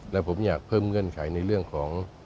และผมอยากเพิ่มเงื่อนไขในเรื่องของ